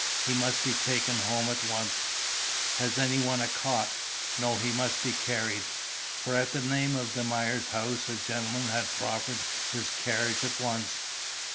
He must be taken home at once. Has any one a cot? No, he must be carried." For at the name of the Myers house, a gentleman had proffered his carriage at once.